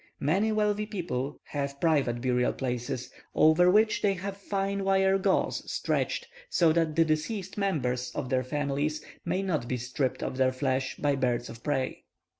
Many wealthy people have private burial places, over which they have fine wire gauze stretched, so that the deceased members of their family may not be stripped of their flesh by birds of prey.